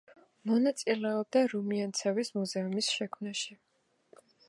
მონაწილეობდა რუმიანცევის მუზეუმის შექმნაში.